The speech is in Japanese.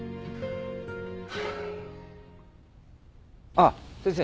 ああ先生。